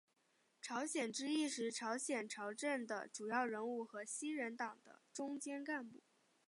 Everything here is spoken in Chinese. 朝鲜之役时朝鲜朝政的主要人物和西人党的中坚干部。